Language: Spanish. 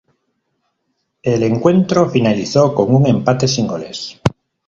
El encuentro finalizó con un empate sin goles.